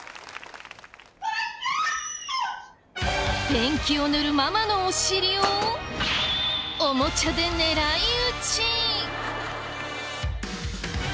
ペンキを塗るママのお尻をおもちゃで狙い撃ち。